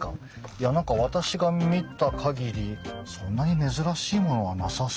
いや何か私が見た限りそんなに珍しいものはなさそうですけど。